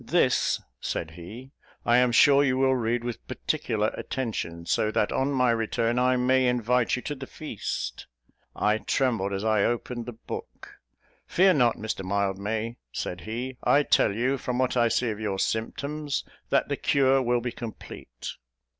"This," said he, "I am sure you will read with particular attention, so that on my return I may invite you to the feast." I trembled as I opened the book. "Fear not, Mr Mildmay," said he; "I tell you, from what I see of your symptoms, that the cure will be complete."